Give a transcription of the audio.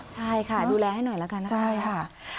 ใช่ค่ะดูแลให้หน่อยแล้วกันนะคะใช่ค่ะ